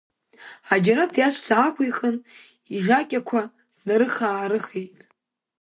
Ҳаџьараҭ иаҵәца аақәихын, ижакьақәа днарыхаарыхеит.